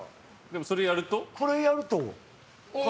これやると。